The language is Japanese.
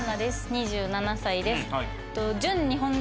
２７歳です。